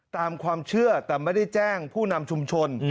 ตามความเชื่อแต่ไม่ได้แจ้งผู้นำชุมชน